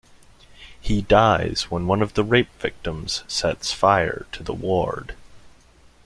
He dies when one of the rape victims sets fire to the ward.